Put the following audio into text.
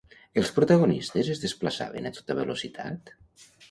Els protagonistes es desplaçaven a tota velocitat?